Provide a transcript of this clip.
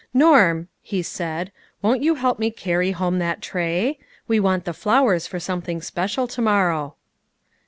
" Norm," he said, " won't you help me carry home that tray ? We want the flowers for some thing special to morrow."